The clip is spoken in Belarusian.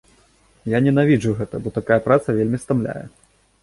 Я ненавіджу гэта, бо такая праца вельмі стамляе.